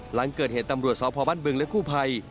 หลังเกิดเหตุตำรวจสพบ้านบึงและกู้ภัย